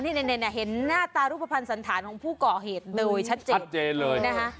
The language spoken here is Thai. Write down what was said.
นี่เห็นหน้าตารูปภัณฑ์สันธารของผู้ก่อเหตุโดยชัดเจนชัดเจนเลยนะคะ